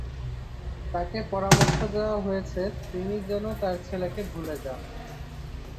তাকে পরামর্শ দেওয়া হয়েছে, তিনি যেন তার ছেলেকে ভুলে যান।